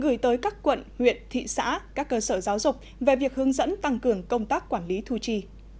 gửi tới các quận huyện thị xã các cơ sở giáo dục về việc hướng dẫn tăng cường công tác quản lý thu chi